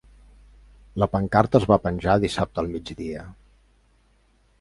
La pancarta es va penjar dissabte al migdia